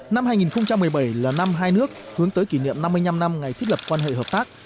năm hai nghìn một mươi bảy là năm hai nước hướng tới kỷ niệm năm mươi năm năm ngày thiết lập quan hệ hợp tác